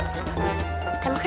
kayak makan kan